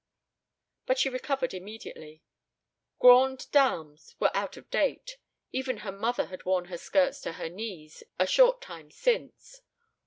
But she recovered immediately. Grandes dames were out of date. Even her mother had worn her skirts to her knees a short time since.